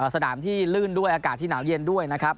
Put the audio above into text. สนามที่ลื่นด้วยอากาศที่หนาวเย็นด้วยนะครับ